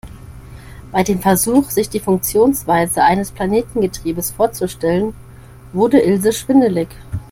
Bei dem Versuch, sich die Funktionsweise eines Planetengetriebes vorzustellen, wurde Ilse schwindelig.